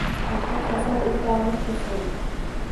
Axir hasadoʻta ogʻir kasallik